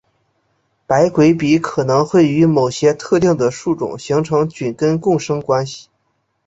白鬼笔可能会与某些特定的树种形成菌根共生关系。